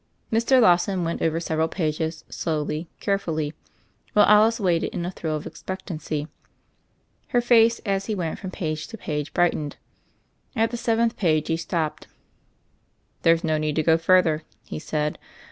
Mr. Lawson went over several pages slowly, carefully; while Alice waited in a thrill of ex pectancy. His face, as he went from page to page, brightened. At the seventh page, he stopped. "There's no need to go further," he said.